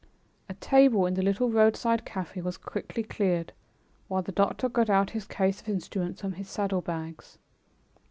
A table in the little roadside café was quickly cleared, while the doctor got out his case of instruments from his saddlebags.